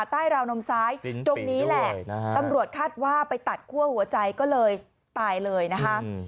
ราวนมซ้ายตรงนี้แหละตำรวจคาดว่าไปตัดคั่วหัวใจก็เลยตายเลยนะคะ